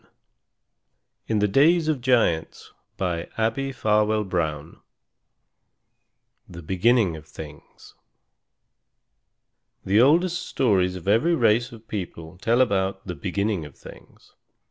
256 IN THE DAYS OF GIANTS THE BEGINNING OF THINGS The oldest stories of every race of people tell about the Beginning of Things.